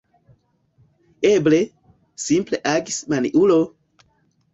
Eble, simple agis maniulo!